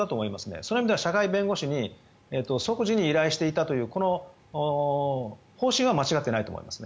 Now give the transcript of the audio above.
それを社外弁護士に即時に依頼していたという方針は間違っていないと思います。